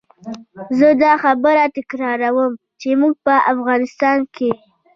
زه دا خبره تکراروم چې موږ په افغانستان کې.